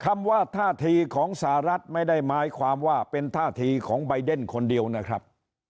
คำว่าท่าทีของสหรัฐไม่ได้หมายความว่าเป็นท่าทีของใบเดนคนเดียวนะครับ